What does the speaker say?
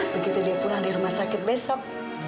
begitu dia pulang di rumah sakit besok